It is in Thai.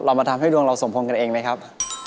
มาทำให้ดวงเราสมพงษ์กันเองไหมครับ